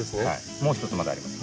もう一つまだあります。